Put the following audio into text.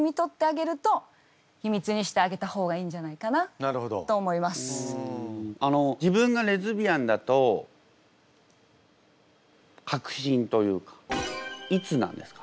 なので自分がレズビアンだと確信というかいつなんですか？